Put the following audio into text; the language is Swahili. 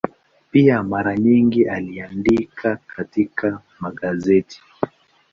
Pia mara nyingi aliandika katika magazeti.